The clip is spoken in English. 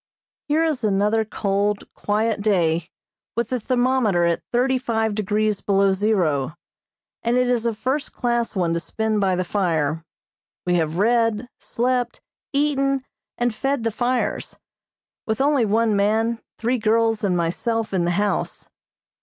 Here is another cold, quiet day, with the thermometer at thirty five degrees below zero, and it is a first class one to spend by the fire. We have read, slept, eaten, and fed the fires; with only one man, three girls and myself in the house.